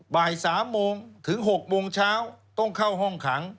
บ่าย๓โมงถึง๖โมงเช้าต้องเข้าห้องขัง